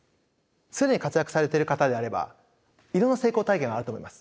既に活躍されている方であればいろんな成功体験があると思います。